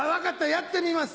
やってみます。